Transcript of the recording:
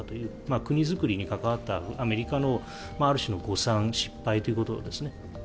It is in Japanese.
国づくりに関わったアメリカのある種の誤算、失敗ということですね。